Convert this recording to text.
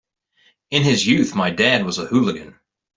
In his youth my dad was a hooligan.